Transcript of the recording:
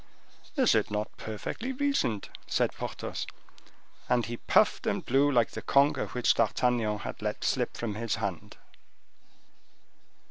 "Is it not powerfully reasoned?" said Porthos: and he puffed and blew like the conger which D'Artagnan had let slip from his hand.